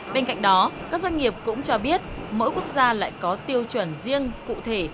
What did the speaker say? bên cạnh đó các doanh nghiệp cũng cho biết mỗi quốc gia lại có tiêu chuẩn riêng cụ thể